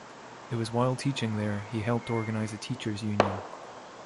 It was while teaching there he helped organize a teachers' union.